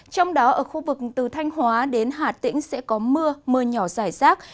trong đó ở khu vực từ thanh hóa đến hà tĩnh sẽ có mưa mưa nhỏ rải rác